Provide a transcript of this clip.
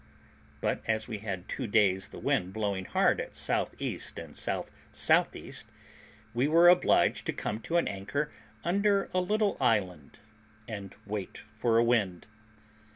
But as we had two days the wind blowing hard at S.E. and S.S.E., we were obliged to come to an anchor under a little island, and wait for a wind.